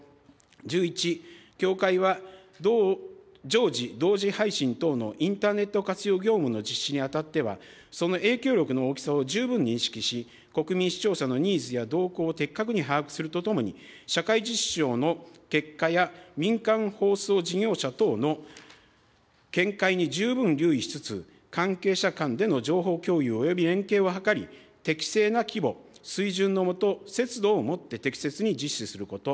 １１、協会は、常時同時配信等のインターネット活用業務の実施にあたっては、その影響力の大きさを十分に認識し、国民・視聴者のニーズや動向を的確に把握するとともに、社会実証の結果や、民間放送事業者等の見解に十分留意しつつ、関係者間での情報共有および連携を図り、適正な規模、水準の下、節度を持って適切に実施すること。